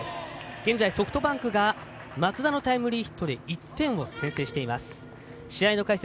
現在、ソフトバンクが松田のタイムリーヒットで１点先制しています。